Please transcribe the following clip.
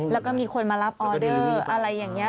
แล้วก็มีคนมารับออเดอร์อะไรอย่างนี้